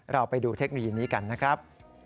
เราไปดูเทคโนโลยีนี้กันนะครับ